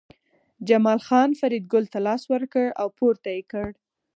جمال خان فریدګل ته لاس ورکړ او پورته یې کړ